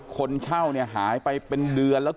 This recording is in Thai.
คนเช่าเนี่ยหายไปเป็นเดือนแล้ว